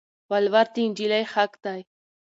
ولوړ د انجلی حق دي